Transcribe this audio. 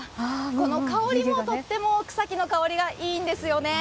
この香りもとっても草木の香りがいいんですよね。